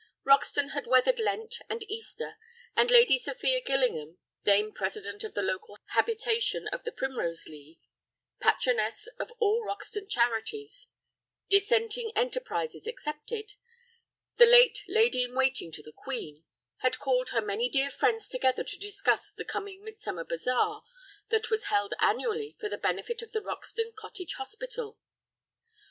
Roxton had weathered Lent and Easter, and Lady Sophia Gillingham, Dame President of the local habitation of the Primrose League; patroness of all Roxton charities, Dissenting enterprises excepted; and late lady in waiting to the Queen; had called her many dear friends together to discuss the coming Midsummer Bazaar that was held annually for the benefit of the Roxton Cottage Hospital.